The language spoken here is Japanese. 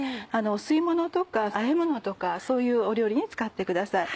お吸いものとかあえものとかそういう料理に使ってください。